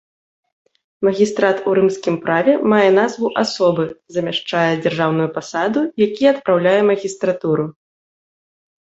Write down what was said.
Магістрат у рымскім праве мае назву асобы, замяшчае дзяржаўную пасаду, які адпраўляе магістратуру.